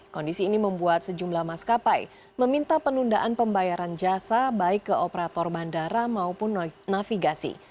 kondisi ini membuat sejumlah maskapai meminta penundaan pembayaran jasa baik ke operator bandara maupun navigasi